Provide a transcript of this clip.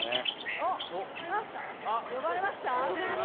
あっ呼ばれました？